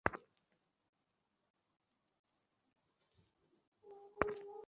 তাকে হিকমত ও প্রজ্ঞা দান করুন।